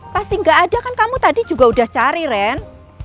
pasti gak ada kan kamu tadi juga udah cari ren